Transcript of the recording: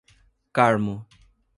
Carmo